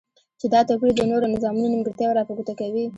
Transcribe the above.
چی دا توپیر د نورو نظامونو نیمګرتیاوی را په ګوته کوی